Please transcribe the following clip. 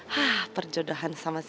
hah perjodohan sama si boy nggak jadul